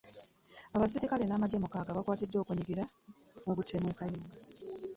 Abasirikale n'amagye mukaaga bakwatiddwa lwa kwenyigira mu butemu e Kayunga